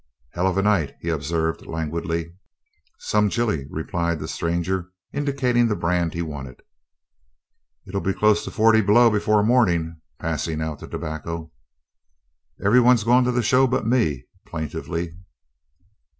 "Hell of a night," he observed, languidly. "Some chilly," replied the stranger, indicating the brand he wanted. "It'll be close to forty below before morning," passing out the tobacco. "Everybody's gone to the show but me," plaintively.